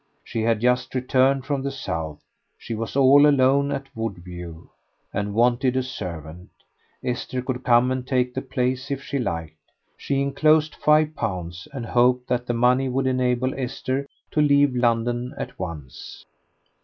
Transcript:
She had just returned from the South. She was all alone at Woodview, and wanted a servant. Esther could come and take the place if she liked. She enclosed five pounds, and hoped that the money would enable Esther to leave London at once.